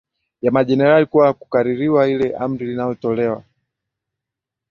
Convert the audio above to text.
ya majenerali kuwa ni kukaririwa ile amri iliotolewa